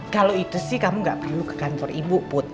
kalau itu sih kamu nggak perlu ke kantor ibu put